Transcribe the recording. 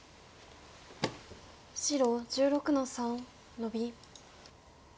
白１６の三ノビ。